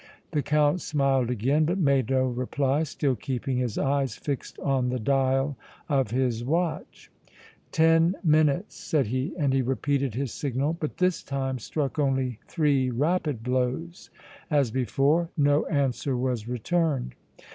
The Count smiled again, but made no reply, still keeping his eyes fixed on the dial of his watch. "Ten minutes!" said he, and he repeated his signal, but this time struck only three rapid blows. As before no answer was returned.